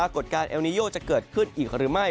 กฎการเอลนิโยจะเกิดขึ้นอีกหรือไม่